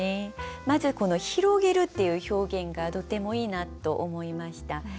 まずこの広げるっていう表現がとてもいいなと思いました。